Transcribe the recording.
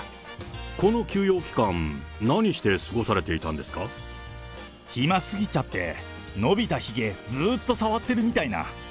この休養期間、暇すぎちゃって、伸びたひげ、ずっと触ってるみたいな。